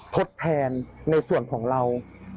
ทดแทนในส่วนของเรา